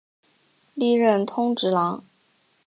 历任通直郎。